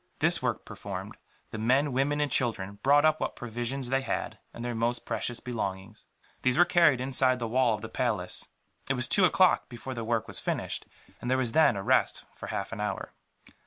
This work performed, the men, women and children brought up what provisions they had, and their most precious belongings. These were carried inside the wall of the palace. It was two o'clock before the work was finished, and there was then a rest for half an hour.